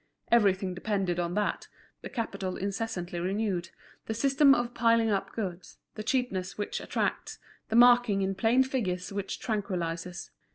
Everything depended on that, the capital incessantly renewed, the system of piling up goods, the cheapness which attracts, the marking in plain figures which tranquillizes.